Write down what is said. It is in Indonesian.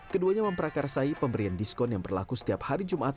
keduanya memperakarsai pemberian diskon yang berlaku setiap hari jumat